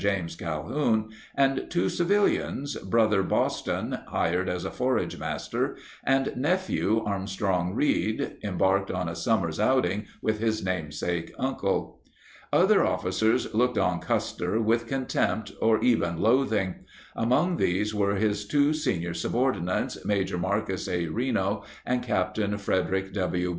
James Calhoun, and two civilians, brother Boston (hired as a forage master) and nephew Armstrong Reed (embarked on a summer's outing with his namesake uncle). Other officers looked on Custer with contempt or even loathing. Among these were his two senior subordinates, Maj. Marcus A. Reno and Capt. Fred erick W.